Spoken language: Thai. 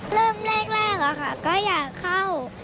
เริ่มแรกอะค่ะก็อยากเข้า